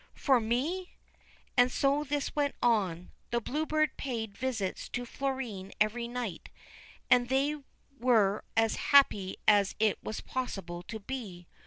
' For me I ' And so this went on. The Blue Bird paid visits to Florine every night, and they were as happy as it was possible to be.